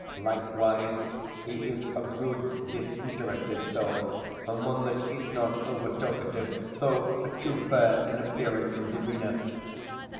Likewise he is a good, disinterested soul, and one that is not over talkative, though a true bear in appearance and demeanour.